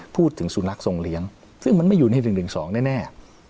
พูดถึงสูญลักษณ์ทรงเลี้ยงซึ่งมันไม่อยู่ในรุ่น๑๒แน่